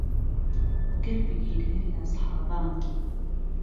گەر بگیرێ له ئهسحابان